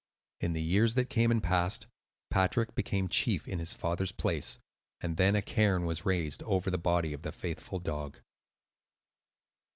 In the years that came and passed, Patrick became chief in his father's place; and then a cairn was raised over the body of the faithful dog.